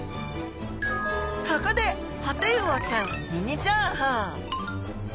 ここでホテイウオちゃんミニ情報！